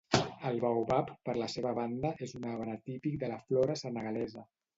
El baobab, per la seva banda, és un arbre típic de la flora senegalesa.